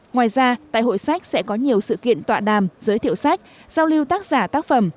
ngoài ra tại hội sách sẽ có nhiều sự kiện tọa đàm giới thiệu sách giao lưu tác giả tác phẩm